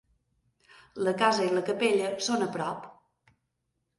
La casa i la capella són a prop.